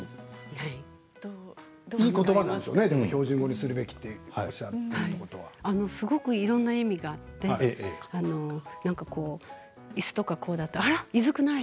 標準語にするべきとおっしゃってるからすごくいろいろな意味があっていすとか、これだといずくない？